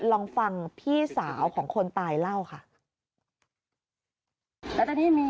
ลองฟังพี่สาวของคนตายเล่าค่ะ